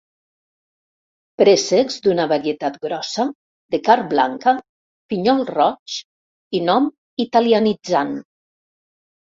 Préssecs d'una varietat grossa, de carn blanca, pinyol roig i nom italianitzant.